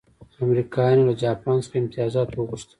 امریکایانو له جاپان څخه امتیازات وغوښتل.